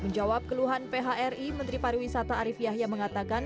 menjawab keluhan phri menteri pariwisata arief yahya mengatakan